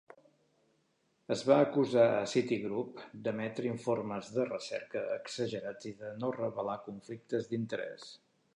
Es va acusar a Citigroup d'emetre informes de recerca exagerats i de no revelar conflictes d'interès.